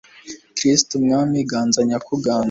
kristu mwami ganza nyakuganza